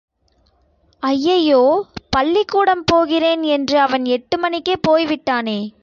ஐயையோ பள்ளிக்கூடம் போகிறேன் என்று அவன் எட்டு மணிக்கே போய்விட்டானே!